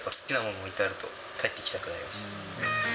置いてあると、帰ってきたくなります。